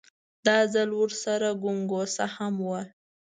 دا ځل ورسره ګونګسه هم وه.